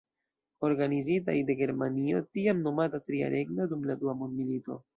Organizitaj de Germanio tiam nomata Tria Regno dum la Dua Mondmilito.